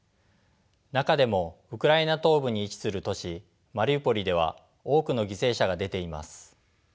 中でもウクライナ東部に位置する都市マリウポリでは多くの犠牲者が出ています。